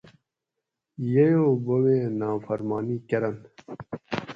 ییو بوبیں نافرمانی کرنت